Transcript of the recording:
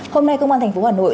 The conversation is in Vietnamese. hôm nay công an tp hà nội